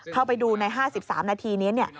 เข้าไปดูใน๕๓นาทีนี้